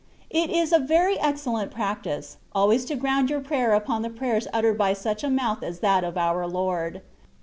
It is a very excellent practice, always to ground your prayer upon the prayers uttered by such a mouth as that of our Lord.